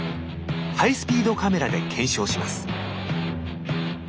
ハイスピードカメラで検証します